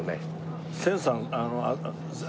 千さん。